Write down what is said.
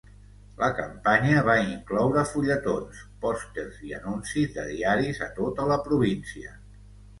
La campanya va incloure fulletons, pòsters i anuncis de diaris a tota la província.